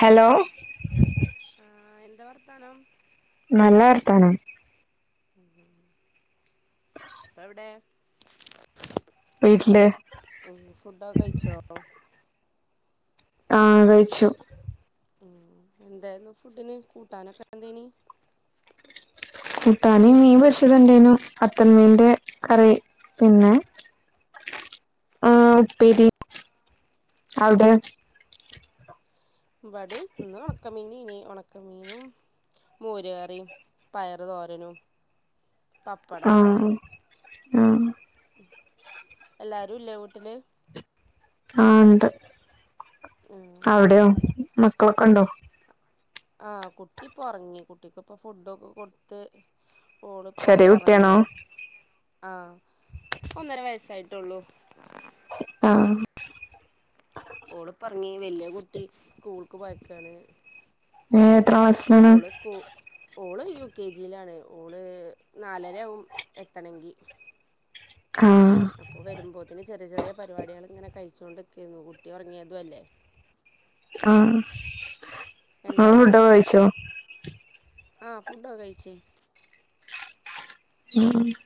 Hello. ആഹ് എന്താ വർത്താനം? നല്ല വർതാനം. പ്പോ എവടെ? വീട്ടില്. ഉം ഫുഡൊക്കെ കയിച്ചോ? ആഹ് കയി ച്ചു. എന്താര്ന്നു ഫുഡിന് കൂട്ടാനൊക്കെ എന്തേനി? കൂട്ടാന് മീൻ പൊരിച്ചത് ണ്ടായിന്നു വെതൾ മീനിന്റെ കറി. പിന്നെ. പ്പേരി അവടെ ഇവടിം ഇന്ന് ഉണക്കമീനെന്നീ. ഉണക്ക ഒണക്കമീനും മോര്കറിയും പയറ് തോരനും. പപ്പടോം അഹ് ആ എല്ലാരും ഇല്ലേ വിട്ടില്. ആ ഉണ്ട് ആഹ് അവിടെയോ മക്കളൊക്കെ ഉണ്ടോ? ആഹ് കുട്ടിപ്പോ ഉറങ്ങി കുട്ടിക്ക് ഇപ്പൊ ഫുഡൊക്കെ കൊടുത്ത്. ഒള് ഇപ്പോ ചെറിയ ഒറ ങ്ങി കുട്ടിയാണോ ആ ഒന്നര വയസ്സായിട്ടൊള്ളൂ. ആഹ ഓള് പോറങ്ങി വലിയ കുടിസ്കൂൾക്ക് പോയക്കാണ് എത്രമാം [unintelligible] ഓള് സ്കൂ ഓള് യു കെ ജിയിലാണ് ഓള് നാലരയാകും എത്തണങ്കിൽ ആഹ അപ്പൊ വരുമ്പോത്തിന് ചെറിയ ചെറിയ പരിപാടികൾ ങ്ങനെ കഴിച്ചുകൊണ്ടിക്കരുന്നു കുട്ടി ഒറങ്ങിയതും അല്ലേ [inaudible] ആഹ ആ എന്താ ഫുഫുഡോക്കെ യിച്ചോ ആഹ ഫുഡോ കയിചീ ഉ [inaudible]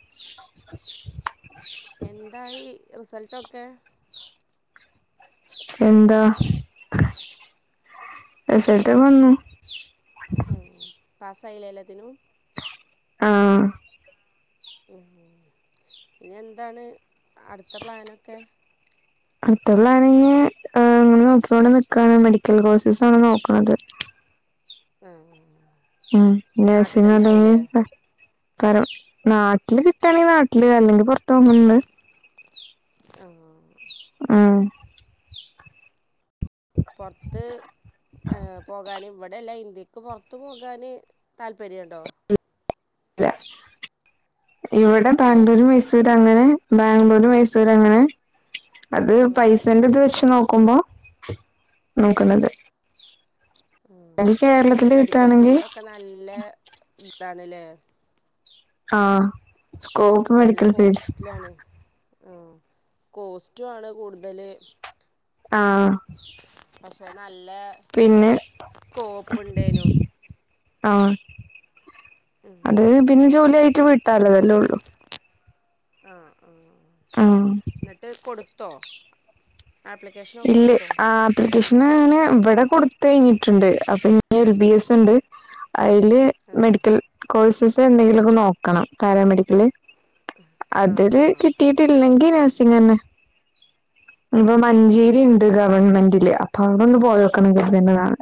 എന്തായി റിസൾട്ടൊക്കെ എന്താറിസൽട്ട് വന്നു [unintelligible] ആ പാസയിലെ എല്ലാത്തിനും ആഹ ഉ ഇനി എന്താണ് അടുത്ത പ്ലാനൊക്കെ അടുത്തള്ളണെങ്കി ഇങ്ങനെ നോക്ക്യണ്ട് നിക്കാണ് മെഡിക്കൽ കോഴ്സസാണ് നോക്ക്ണത് അഹ് [unintelligible] ക്കാരം നാട്ടില് കിട്ടയാണെങ്കി നാട്ടില് അല്ലെങ്കിൽ പൊറത്ത്നൊക്ക്ണ്ട് ആഹ് ആഹ് പൊറത്ത് ഏ പോകാന് ഇവിടെല്ല ഇന്ത്യക്ക് പൊറത്ത് പോകാന് താല്പര്യണ്ടോ ഇവിടെ ഏ താണ്ടൂര് മിസ് മൈസൂർ അങ്ങനെ ബാംഗ്ലൂര് മൈസൂർ അങ്ങനെ അത് ഉം പൈസൻ്റെ ഇത് വെച്ച് നോക്കുമ്പോ നോക്കുന്നത് അല്ലെങ്കി കേരളത്തില് മെഡിക്കൽ കിട്ടുകയാണെങ്കിൽ ഫീൽഡൊക്കെ നല്ല ഇതാണ്ല്ലേ ആഹ് സ്കോപ് നല്ല മെഡിക്കൽ ഫീൽഡ് കോസ്റ്റ്ലാണ് ആഹ് കോസ്റ്റു ആണ് കൂടുതല് ആഹ് പക്ഷെ നല്ല പിന്നെ സ്കോപ്പ് ഉണ്ടേനും ആഹ് ഉം അത് പിന്നെ ജോലിയായിട്ട് വീട്ടാലതല്ലേ ഒള്ളൂ ആഹ് ആ ഹ് ആഹ് ന്നട്ട് കൊടുത്തോ ആപ്ലിക്കേഷനൊക്കെ ഇല്ല കൊടുത്തോ ആഹ് ആപ്ലിക്കേഷൻ അങ്ങനെ ഇവിടെ കൊടുത്തഴിഞ്ഞിട്ട്ണ്ട് അപ്പൊ എ ബി എസ് ഇണ്ട് അതില് ആഹ് മെഡിക്കൽ കോഴ്സസ് എന്തെങ്കിലൊക്കെ നോക്കണം പാരാമെഡിക്കല് ആഹ് അതില് ആഹ് കിട്ടിയിട്ടില്ലെങ്കിൽ നൈസിങ്ങ് തന്നെ ഇഞിപ്പൊ ആഹ് മഞ്ചേ രി ഗവൺമെന്റില് അപ്പൊ അവിടൊന്ന് പോയെക്കണം കര്ത്ണ്ട് നാളെ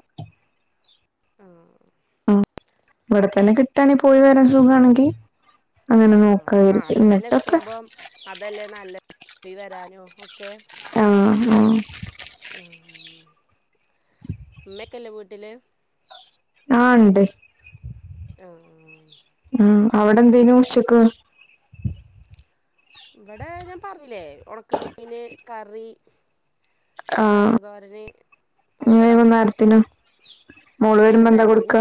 ആഹ് ഉം ഇവിടെ തന്നെ കിട്ടാണെങ്കി പോയി വരാൻ സുഖണെങ്കിൽ അങ്ങനെ ആഹ് നോക്ക ആഹ് കര്തി അടുത്തന്നെ എന്നിട്ടൊക്കെ കിട്ടുമ്പം അതല്ലേ നല്ലത് പോയി വരാനോക്കെ ആഹ് ആഹ് ഉം ഉമ്മക്കല്ലെ വീട്ടില് ആഹ് ഇണ്ട് ആഹ് ആഹ് ഉ അവിടെ എന്തേനും ഉച്ചക്ക് ഇവടെ ഞാൻ പറഞ്ഞിലേ ഒണക്ക മീന് കറി ആഹ് പയറുതോരന് പപ്പടം വൈകുന്നേരത്തിനൊ മോള് വരുമ്പോ എന്താ വൈകുന്നേരത്തിന് കൊടുക്കാ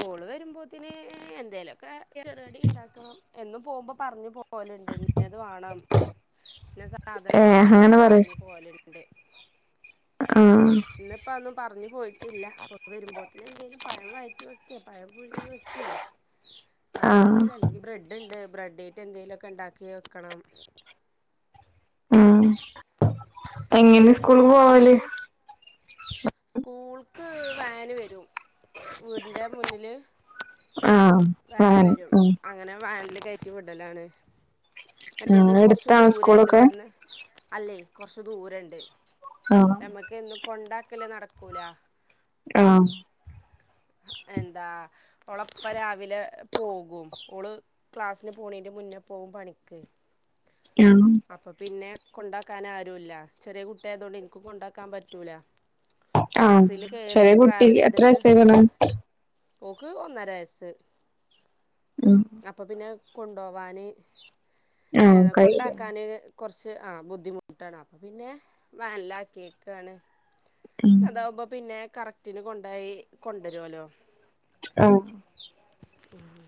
ഓള് വരുമ്പോത്തിന് എന്തേലൊക്കെ കടി ഇണ്ടാക്കണം എന്നും പോകുമ്പോ പറഞ്ഞു പോ പോല്ണ്ട് ഇന്നത് വാണം ഇന്നെ ഏ സാധനം അങ്ങനെ വാണംന്നൊക്കെ പറ പറഞ് പോല്ണ്ട് ആഹ് ഇന്ന്പ്പോ അതൊന്നും പറഞ്ഞ് പോയിട്ടില്ല അപ്പോ വരുമ്പോത്തിന് എന്തേലും പഴം വയറ്റി വയ്ക്കേ പഴം പുഴുങ്ങി വയ്ക്കേ ആഹ് അങ്ങനത്തെന്തേലും അല്ലെങ്കി ബ്രെഡ്ണ്ട് ബ്രെഡേറ്റ്ന്തേലൊക്കെ ഇണ്ടാക്കി വെക്കണം ഉം എങ്ങനെ സ്കൂള് ഇങ്ങക്കിനി പോവല് ചായക്കടിക്കോ സ്കൂൾക്ക് വാന് വരും വീടിന്റെ മുന്നില് ആഹ് വാന് വാൻ വരും ആഹ് അങ്ങനെ വാനില് കയറ്റി വിടലാണ് മറ്റേത് ആഹ് കൊറച്ച് എടുത്താണോ ദൂരണ്ട് സ്കൂളൊക്കെ ഇവിട്ന്ന് അല്ലേയ് കൊറച്ച് ദൂരണ്ട് ആണോ ഞമ്മക്ക് എന്നും കൊണ്ടാക്കല് നടക്കൂല ആഹ് എന്താ ഓളെ ഇപ്പ രാവിലെ പോകും ഓള് ക്ലാസ്സിന് പോണേന്റെ മുന്നേ പോം പണിക്ക് ക്ക്യാം അപ്പൊ പിന്നെ കൊണ്ടാക്കാനാരും ഇല്ല ചെറിയ കുട്ടിയായതോണ്ട് എനിക്ക് കൊണ്ടാക്കാൻ പറ്റൂല ആഹ് ബസ്സില് കേറി ചെറിയ കുട്ടി ട്രാവൽ എത്ര ചെയ്തിട്ട് വയസ്സായിക്ക്ണ് ഓക്ക് ഒന്നര വയസ് ഉം അപ്പപിന്നെ കൊണ്ടോവാന് ആഹ് ഏഹ് കയ്യൂല കൊണ്ടാക്കാന് കൊറച്ച് ആഹ് ബുദ്ധിമുട്ടാണ് അപ്പപിന്നെ വാനില്ലാക്കേക്കാണ് ഉം അതാവുമ്പ പിന്നെ കറക്റ്റിന് കൊണ്ടൊയി കൊണ്ടരോല്ലോ ആഹ് ഉം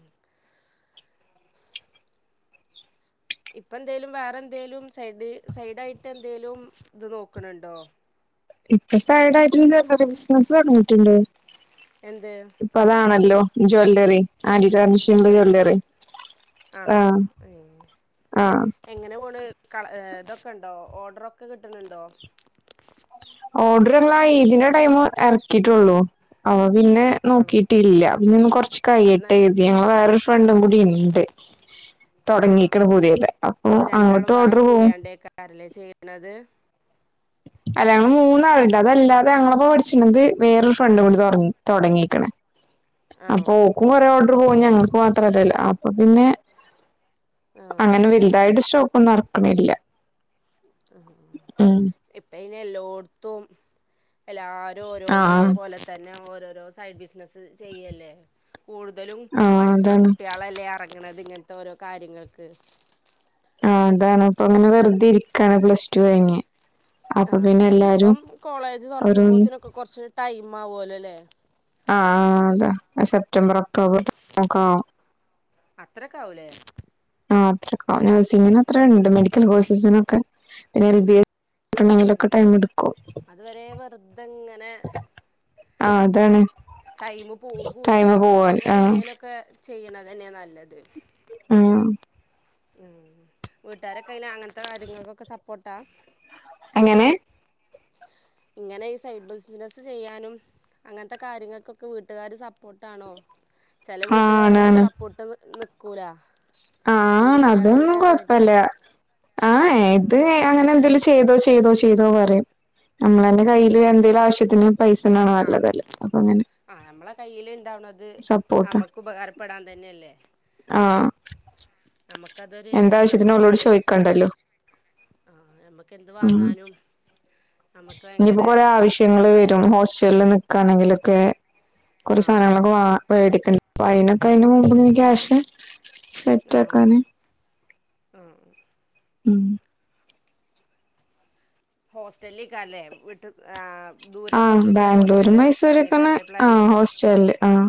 ഇപ്പ എന്തേലും വേറെ എന്തേലും സൈഡ് സൈഡായിട്ട് എന്തേലും ഇത് നോക്കണ് ണ്ടോ ഇപ്പൊ സൈഡായിട്ടൊര് [unintelligible] ബിസിനസ് തൊടങ്ങീട്ടിണ്ട് എന്ത് ഇപ്പതാണല്ലോ ജ്വല്ലറി ആന്റിഗാ ഷിൻഡ് ജ്വല്ലറി ജോല്ലറി ആണോ ആഹ് ഏ ആഹ് എങ്ങനെ പോണ് കള ഇതൊക്കെണ്ടോ ഓർഡറൊക്കെ കിട്ടണണ്ടോ ഓഡർള്ള ഇതിന്റെ ടൈമ് എറക്കീ ട്ടുള്ളൂ അപ്പൊ പിന്നെ ആണോ നോക്കിട്ടില്ല പിന്നൊന്ന് കൊറച്ച് അന്ന് കഴിയട്ടെ കര്തി ഞങ്ങൾ വേറൊരു ഫ്രണ്ടും കൂടിയിണ്ട് ആ തൊടങ്ങീക്കണ് പുതിയേത് അപ്പൊ അങ്ങട്ടും ഓർഡർ പോവും ആരാല്ലേ ചെയ്യണ്ത് അല്ല ഞങ്ങള് മൂന്നാള് ഇണ്ട് അതല്ലാതെ ഞങ്ങള ഒപ്പോ പഠിച്ചിണത് വേറൊരു ഫ്രണ്ടും കൂടി തുടങ്ങി തുടങ്ങിക്ണ്. [inaudible] അപ്പൊ ഓൾക്കും കൊറേ ആ ഓർഡർ പോം ഞങ്ങൾക്ക് മാത്രല്ലല്ലൊ അപ്പ പിന്നെ ആഹ് അങ്ങനെ വലുതായിട്ട് സ്റ്റോക്ക് ഒന്നും എറക്കണില്ല അ ഹ ഹ ഇപ്പയ്ന് എല്ലോടത്തും എല്ലാ രോരോന്ന് ആഹ് ഇതേപോലെ തന്നെ ഓരോരോ സൈഡ് ബിസ് ലെസ്സ് ചെയ്യുവല്ലേ കൂടുതലും ആ പഠിക്കണ അതാണ് കുട്ടിയ ഇപ്പളല്ലേ ഇറങ്ങണത് ഇങ്ങനത്തെ ഓരോ കാര്യങ്ങൾക്ക് ആ അതാണ് ഇപ്പൊ അങ്ങനെ വെറുതെ ഇരിക്കയാണ് പ്ലസ് ടു കഴിഞ്. ആഹ് ഇനിയിപ്പം കോളേജ് ഒരു തൊറക്കുമ്പോത്തിനൊക്കെ കൊറച്ച് കൂടെ ടൈം ആവുമല്ലോ അല്ലേ ആഹ് ആഹ് അതാ സെപ്റ്റംബർ ഒക്ടോബർ നോക്കാം. അത്രയൊക്കാവൂലേ? ആഹ് അത്രയൊക്കാവും നേഴ്സിങ്ങിനത്രയുണ്ട് മെഡിക്കൽ കോഴ്സസിനൊക്കെ പിന്നെ എൽ ബി എ ട്ടെങ്കിലൊക്കെ ടൈം എടുക്കും അതുവരെ വെറുതെ ഇങ്ങനെ ആഹ് അതാണ്. ടൈമ് പോകൂല്ല ടൈമ് അപ്പ പോവാൻ അങ്ങനെ ആഹ് എന്തേലൊക്കെ ചെയ്യണതന്നെ ആ നല്ലത്. ആഹ് ഉം വീട്ടാരൊക്കെയ്ന് അങ്ങനത്തെ കാര്യങ്ങക്കൊക്കെ സപ്പോർട്ടാ? എങ്ങനെ? ഇങ്ങനെ ഈ സൈഡ് ബിസിനസ് ചെയ്യാനും അങ്ങനത്തെ കാര്യങ്ങക്കൊക്കെ വീട്ടുകാര് സപ്പോർട്ടാണോ? ചില വീട്ടുകാരൊന്നും ആണാണ് സപ്പോർട്ട് ന് നിക്കൂല. ആഹ് ആന്ന് പെൺകുട്ടികളല്ലേ അതൊന്നും പറഞ്ഞിട്ട് കൊഴപ്പില്ല ആഹ് ഇത് അങ്ങനെ എന്തേലും ചെ ചെയ്തോ ചെയ്തോ ചെയ്തോ പറിം. അവനവന്റെ ആ കയ്യില് എന്തേലും ആവശ്യത്തിന് പൈസണ്ടാവണെ നല്ലതല്ലേ അപ്പൊ അങ്ങനെ. ആഹ് നമ്മളെ കയ്യിൽ ഇണ്ടാവണത് സപ്പോർട്ടാ നമ്മക്ക് ഉപകാരപ്പെടാൻ തന്നെയല്ലേ. ആഹ് നമ്മക്കതൊര് നമ്മക്കെന്തേലും. കടലോ നമ്മക്കെന്ത് വാങ്ങാനും നമുക്ക് ഇനിപ്പോ ഭയങ്കര കൊറെ ആവശ്യങ്ങള് നമ്മളെ വരും ഹോസ്റ്റലിൽ നി ക്കാണെങ്കിലൊക്കെ കുറെ ആ സാനങ്ങളൊക്കെ വാ മേടിക്കണം അപ്പൊ അയിനൊക്കെ അയിന്റെ മുമ്പും ഈ ക്യാഷ്. സെറ്റ് ആഹ് ആക്കാന് ആഹ് ഉം. ഹോസ്റ്റലിലേക്കാല്ലേ വീട്ട് ആഹ് ദൂരൊക്കെ ആഹ് കിട്ടിയാ ഹോസ്റ്റലില് നിക്കാനേ ക്കാരം ലെ പ്ലാന്. ചെല്ല് ആഹ്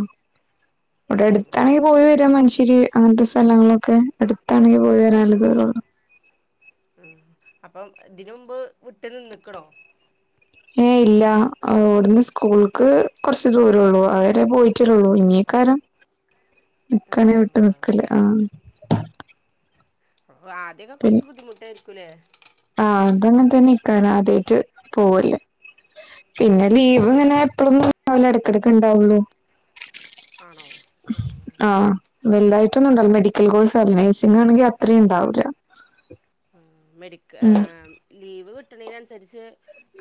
ഇവടെ അടുത്താണെങ്കി പോയി വരാം മഞ്ചേരി അങ്ങനത്തെ സ്ഥലങ്ങളൊക്കെ അടുത്താണെങ്കി പോയി വരാനൊള്ള ദൂരൊള്ളൂ. ഉം അപ്പം ഇതിന് മുമ്പ് വിട്ട് നിന്നിക്കണോ? ഏയ് ഇല്ല അവിടുന്ന് സ്കൂൾക്ക് കുറച്ച് ദൂരെള്ളൂ അത്‌ വരെ പോയിട്ടുള്ളൂ ഇനി [unintelligible] [unintelligible] നിക്കണെ വിട്ട് ആ നിക്കല് ആഹ് ഓ ആദ്യൊക്കെ കുറച്ച് ബുദ്ധിമുട്ടായിരിക്കൂലെ ആഹ് അതങ്ങനെ തന്നെക്കാരം ആദ്യായിട്ട് പോവല്ലേ. പിന്നെ ലീവ് ഇങ്ങനെ എപ്പളൊന്നും ഇണ്ടാവൂല്ല എടക്കെടക്ക് ഉണ്ടാവുള്ളു. ആണോ ഉം വലുതായിട്ടൊന്നൂല്ല മെഡിക്കൽ കോഴ്സ് നേഴ്സിംഗ് ആണെങ്കി അത്രേം ഉണ്ടാവൂല്ല. ഉം മെഡിക്ക ഏഹ് ലീവ് കിട്ടണേനനുസരിച്ച്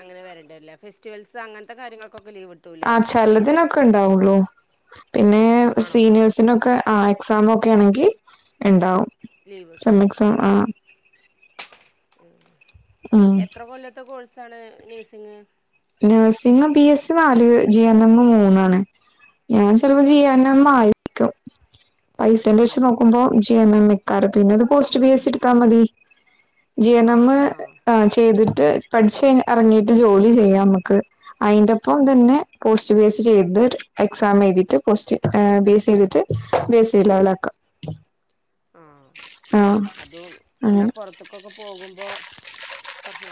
അങ്ങനെ വരേണ്ടവരുംലേ ഫെസ്റ്റിവൽസ് അങ്ങനത്തെ കാര്യങ്ങൾക്കൊക്കെ ലീവ് ഉ ആഹ് ചെലതിനൊക്കെ ഇണ്ടാവുള്ളു പിന്നെ ആണോ സീനിയേഴ്സിനൊക്കെ ആഹ് എക്സാമൊക്കെയാണെങ്കി ഇണ്ടാവും. ലീവ് സെമ്മിക്സാ ആഹ് ഉം ഉം എത്ര കൊല്ലത്തെ കോഴ്സാണ് നഴ്സിങ്? നഴ്സിങ് ബി എസ് നാല് ജി എൻ എം മൂന്നാണ് ഞാൻ ചിലപ്പോ ആ ജി എൻ എം ആയിരിക്കും പൈസന്റെ ആണോ ഇഷ്യു നോക്കുമ്പോ ജ് എം എം എക്കാരം പിന്നെത് പോസ്റ്റ് ബി എസി ഇട്ത്താ മതി. ജി എൻ ആ എം ആ ആഹ് ചെയ്തിട്ട് പട്ച്ച് കയ് അർങ്ങിട്ട് ജോലി ചെയ്യ നമ്മക്ക്. അയ്ന്റൊപ്പം തന്നെ പോസ്റ്റ് ബി എ സി ചെയ്ത് എക്സാം എഴ്തിട്ട് post A B A C എയ്തിട്ട് ബേസ്ല്ല [unintelligible] ആഹ് ആഹ് അതും എന്നാ അങ്ങനെ പൊ ർത്ത്ക്കൊക്കെ പോകുമ്പോ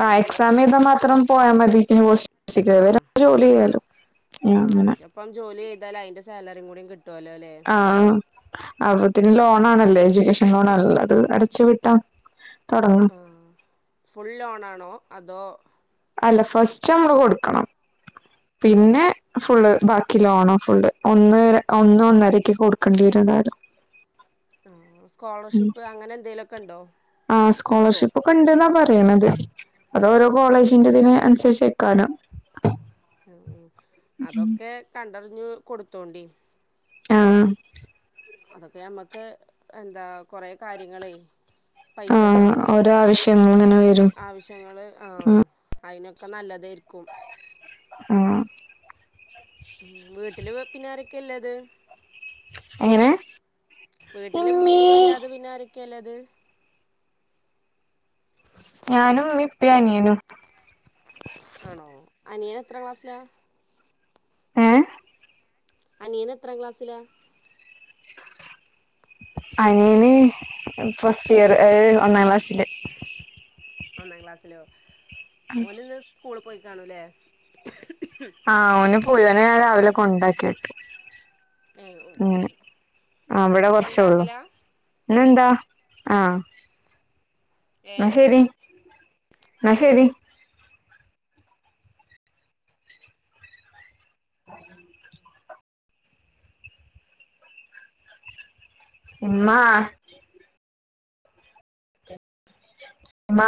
ആഹ് എക്സാമയ്താ മാത്രം പോയാ മതി [unintelligible] ആഹ് [unintelligible] ജോലി ചെയ്യാലോ അങ്ങനെ ഇപ്പം ജോലി ചെയ്താ അയ്ന്റെ സാലറി കൂടി കിട്ടോല്ലോലേ ആഹ് അബുതിന് ലോണാണല്ലേ എജുകേഷൻ ലോണല്ലതും അടച്ചു വിട്ടാ തൊടങ്ങാം ആഹ് ഫുൾ ലോണാണോ അതോ? അല്ല ഫസ്റ്റ് അമ്മള് കൊടുക്കണം ആണോ പിന്നെ ഫുള്ള് ബാക്കി ലോണോ ഫുള്ള് ഒന്ന് ഒന്ന് ആഹ് ഒന്നര ക്കെ കൊട്ക്കേണ്ടി വരുന്തായാലും ആഹ് സ്കോ ഉം ളർഷിപ് അങ്ങനെന്തെലൊക്കെണ് ആഹ് സ്കോളർഷിപ്പ് ഒക്കെ ഇണ്ട്ന്നാ പറയ്ണത് അത് ഓരോ കോളേജിന്റെ ഇതിന് അർസർച്ചയ്ക്കാരം ആഹ് അഹ് അതൊക്കെ കണ്ടർഞ്ഞ് കൊട്ത്തോണ്ടി ആഹ് ആഹ് അതൊക്കെ നമ്മക്ക് എന്താ കൊറെ കാര്യങ്ങളേ പൈസക്ക് ആഹ് ഓരോ ആവശ്യങ്ങൾ ഇങ്ങനെ വരും ആവശ്യ ഞങ്ങള് ആഹ് അയ്നൊക്കെ നല്ലതായിർക്കും. ആഹ് ഉം വീട്ടില് വെപ്പിനാരൊക്കെല്ലത്? എങ്ങനെ വീട്ടില്മ്മീ ഇമ്മീ യില്ലാതെ പിന്നെരക്കെല്ലത്? ഞാനുംമ്മീ പ്പീ അനിയനും. ആണോ അനിയൻ എത്ര ക്ലാസ്സില? ഏഹ് അനിയന് എത്ര ക്ലാസ്സില? അനിയന് ഫസ്റ്റ് ഇയർ ഒന്നാം ക്ലാസ്സില്. ഒന്നാം ക്ലാസ്സിലോ ഓന് ഇന്ന് സ്കൂളി പോയി കാണൂല്ലേ? ആഹ് ഓന് പോയ് ഓനെ രാവിലെ കൊണ്ടാക്കിട്ട്. ഏ അങ്ങനെ അവടെ കൊർച്ചൊള്ളു കൊണ്ടാക്കലാ ഇന്നെന്താ ആഹ് ഏ ന്നാ ശരി ന്നാ ശരി [inaudible] ഇമ്മാ ഇമ്മാ